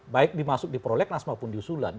baik dimasuk di prolegnas maupun diusulan